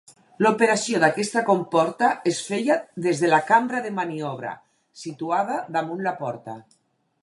L'operació d'aquesta comporta es feia des de la cambra de maniobra situada damunt la porta.